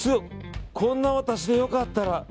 「こんな私でよかったら」。